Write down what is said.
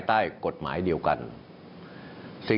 วันนี้นั้นผมจะมาพูดคุยกับทุกท่าน